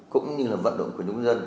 cũng như là vận động của chúng dân